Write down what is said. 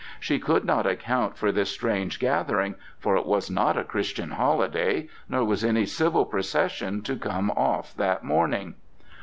She could not account for this strange gathering, for it was not a Christian holiday, nor was any civil procession to come off that morning.